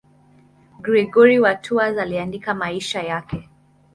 Gregori wa Tours aliandika maisha yake.